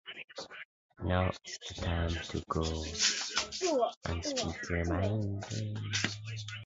Meanwhile, the Barkenhoff became a children's home.